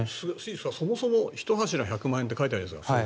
そもそも１柱１００万円って書いてあるじゃないですか。